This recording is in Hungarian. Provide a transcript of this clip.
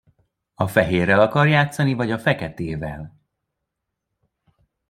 A fehérrel akar játszani vagy a feketével?